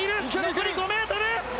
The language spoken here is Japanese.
残り５ｍ！